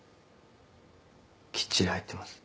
きっちり入ってます。